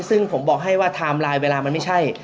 ซึ่งผมบอกให้ว่าไทม์ไลน์เวลามันไม่ใช่